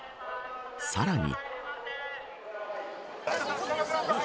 さらに。